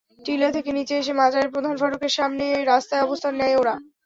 টিলা থেকে নিচে এসে মাজারের প্রধান ফটকের সামনে রাস্তায় অবস্থান নেয় ওরা।